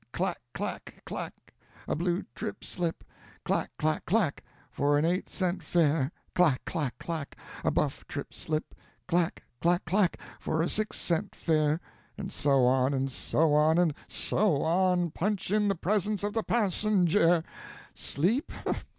'Clack clack clack, a blue trip slip, clack clack clack, for an eight cent fare; clack clack clack, a buff trip slip, clack clack clack, for a six cent fare, and so on, and so on, and so on punch in the presence of the passenjare!' Sleep?